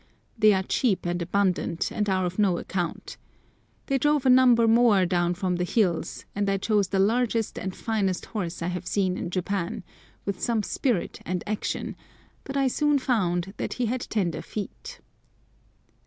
They are cheap and abundant, and are of no account. They drove a number more down from the hills, and I chose the largest and finest horse I have seen in Japan, with some spirit and action, but I soon found that he had tender feet.